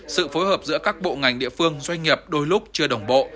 sự phối hợp giữa các bộ ngành địa phương doanh nghiệp đôi lúc chưa đồng bộ